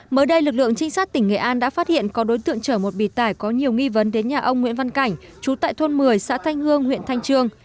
mới đây lực lượng trinh sát tỉnh nghệ an đã phát hiện có đối tượng chở một bịt tải có nhiều nghi vấn đến nhà ông nguyễn văn cảnh chú tại thôn một mươi xã thanh hương huyện thanh trương